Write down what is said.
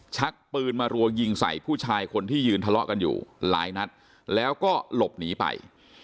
ชักปืนมารัวยิงใส่ผู้ชายคนที่ยืนทะเลาะกันอยู่หลายนัดแล้วก็หลบหนีไป